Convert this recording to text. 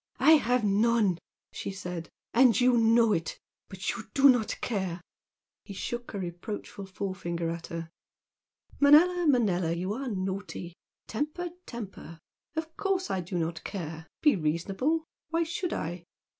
"I have none!" she said "And you know it! But you do not care!" He shook a reproachful forefinger at her. "Manella, Manella, you are naughty! Temper, temper! Of course I do not care! Be reasonable! Why should I?"